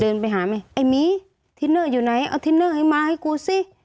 เดินไปหาไหมไอ้หมีทินเนอร์อยู่ไหนเอาทินเนอร์ให้มาให้กูสิ